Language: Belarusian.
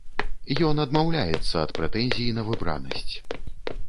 Ён адмаўляецца ад прэтэнзій на выбранасць.